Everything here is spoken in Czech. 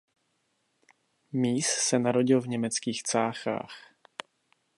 Mies se narodil v německých Cáchách.